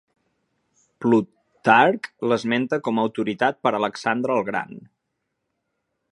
Plutarc l'esmenta com autoritat per Alexandre el Gran.